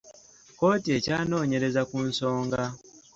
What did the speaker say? Kkooti ekyanoonyereza ku nsonga.